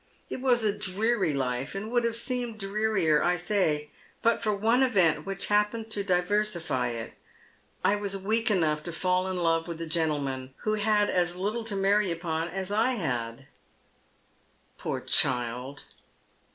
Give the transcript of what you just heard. It was a dreary life, and would have seemed drearier, I dare say, but for one event which happened to diversify it. I was weak enough to fall in love with a gentleman who had as little to marry upon "^s I had." " Poor child